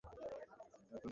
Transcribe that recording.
পিতা মৃত্যুবরণ করেছেন।